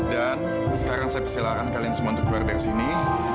dan sekarang saya persilahkan kalian semua keluar dari sini